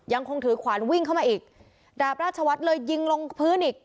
ยังคงถือขวานวิ่งเข้ามาอีกดาบราชวัฒน์เลยยิงลงพื้นอีก